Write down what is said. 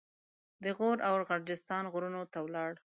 د غور او غرجستان غرونو ته ولاړ.